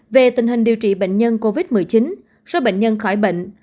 về tình hình điều trị bệnh nhân covid một mươi chín số bệnh nhân khỏi bệnh